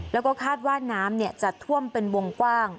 แล้วก็คาดว่าน้ำจะท่วมเป็นวงกว้าง